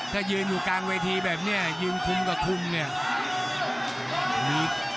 ถ้ายืนอยู่กลางเวทีแบบนี้ยืนคุมกระทุมเนี่ย